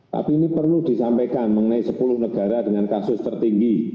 tapi ini perlu disampaikan mengenai sepuluh negara dengan kasus tertinggi